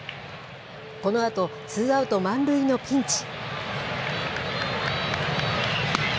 このあと、ツーアウト満塁のピンチ。